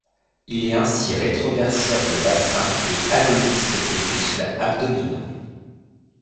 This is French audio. Il est ainsi rétroverseur de bassin et agoniste des muscles abdominaux.